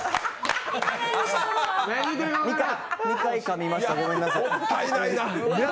２回かみました、ごめんなさい。